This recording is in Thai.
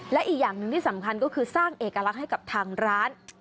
และอีกอย่างหนึ่งที่สำคัญก็คือสร้างเอกลักษณ์ให้กับทางร้าน